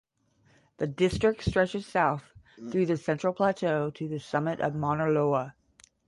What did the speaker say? The district stretches south through the central plateau to the summit of Mauna Loa.